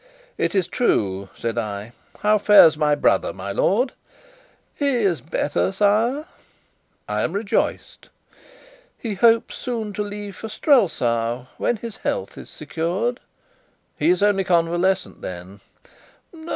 "It is true," said I. "How fares my brother, my lord?" "He is better, sire." "I am rejoiced." "He hopes soon to leave for Strelsau, when his health is secured." "He is only convalescent then?"